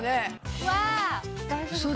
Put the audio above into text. うわあ大丈夫かな？